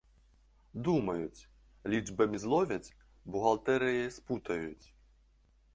Думаюць, лічбамі зловяць, бухгалтэрыяй спутаюць.